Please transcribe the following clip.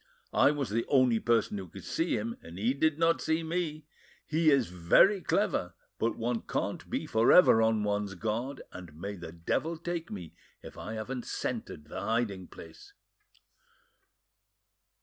I was the only person who could see him, and he did not see me. He is very clever, but one can't be for ever on one's guard, and may the devil take me if I haven't scented the hiding place."